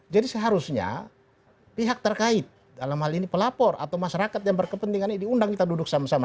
jadi seharusnya pihak terkait dalam hal ini pelapor atau masyarakat yang berkepentingan ini diundang kita duduk sama sama